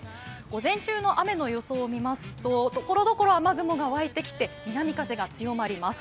午前中の雨の予想を見ますとところどころ雲が湧いてきて南風が強まります。